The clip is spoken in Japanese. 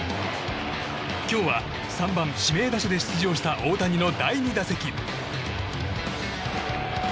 今日は３番指名打者で出場した大谷の第２打席。